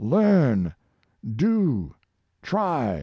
" Learn! Do! Try!